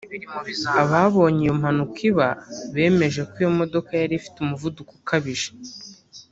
Ababonye iyo mpanuka iba bemeje ko iyo modoka yari ifite umuvuduko ukabije